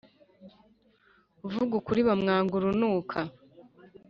uvuga ukuri bamwanga urunuka.